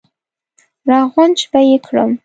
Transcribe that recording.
را غونج به یې کړم.